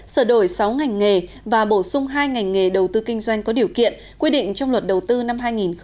sửa đổi sáu ngành nghề và bổ sung hai ngành nghề đầu tư kinh doanh có điều kiện quy định trong luật đầu tư năm hai nghìn một mươi chín